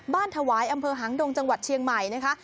ถวายอำเภอหางดงจังหวัดเชียงใหม่นะคะ